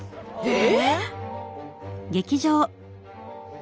え！